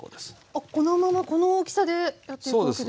あっこのままこの大きさでやっていくわけですね。